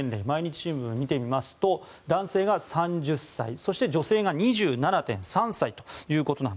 毎日新聞を見てみますと男性が３０歳そして、女性が２７．３歳と。